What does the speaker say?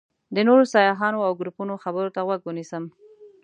د نورو سیاحانو او ګروپونو خبرو ته غوږ ونیسم.